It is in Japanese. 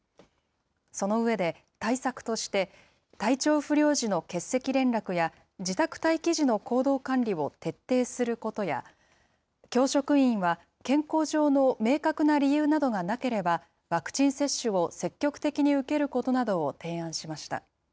その上で、対策として、体調不良時の欠席連絡や、自宅待機時の行動管理を徹底することや、教職員は健康上の明確な理由などがなければ、ワクチン接種を積極的に受けることなどを提案しました。